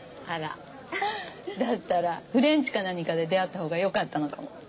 あらだったらフレンチか何かで出会ったほうがよかったのかも。